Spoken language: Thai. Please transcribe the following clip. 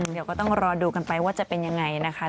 เดี๋ยวก็ต้องรอดูกันไปว่าจะเป็นยังไงนะคะ